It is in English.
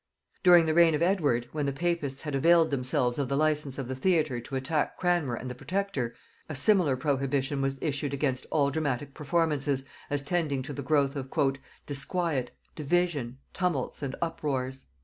During the reign of Edward, when the papists had availed themselves of the license of the theatre to attack Cranmer and the protector, a similar prohibition was issued against all dramatic performances, as tending to the growth of "disquiet, division, tumults and uproars."